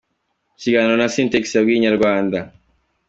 Mu kiganiro na Sintex yabwiye Inyarwanda.